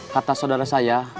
kata saudara saya